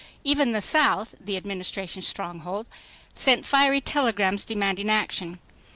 Even the South, the Administration's stronghold, sent fiery telegrams demanding action.